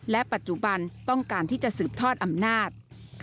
และปัจจุบันต้องการที่จะสืบทอดอำนาจ